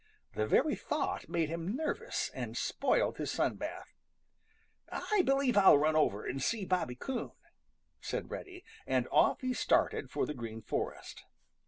The very thought made him nervous and spoiled his sun bath. "I believe I'll run over and see Bobby Coon," said Reddy, and off he started for the Green Forest.